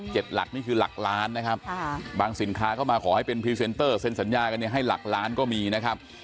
หลักนี่คือหลักล้านนะครับบางสินค้าเข้ามาขอให้เป็นพรีเซนเตอร์เซ็นสัญญากันเนี่ยให้หลักล้านก็มีนะครับ